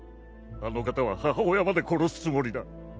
あの方は母親まで殺すつもりだ